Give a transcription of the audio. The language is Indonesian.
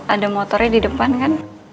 ada motornya di depan kan